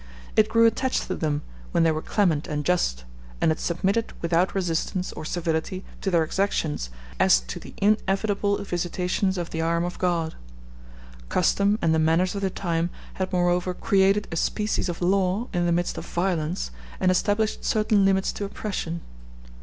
It grew attached to them when they were clement and just, and it submitted without resistance or servility to their exactions, as to the inevitable visitations of the arm of God. Custom, and the manners of the time, had moreover created a species of law in the midst of violence, and established certain limits to oppression.